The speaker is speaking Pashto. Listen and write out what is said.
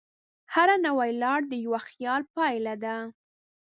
هره نوې لار د یوه خیال پایله ده.